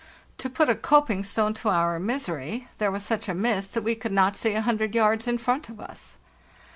To put a coping stone to our misery, there was such a mist that we could not see a hundred yards in front of us.